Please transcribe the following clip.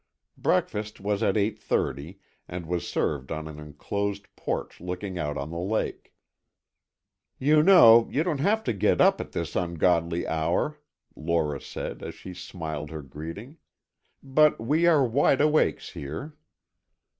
Breakfast was at eight thirty and was served on an enclosed porch looking out on the lake. "You know, you don't have to get up at this ungodly hour," Lora said, as she smiled her greeting, "but we are wideawakes here."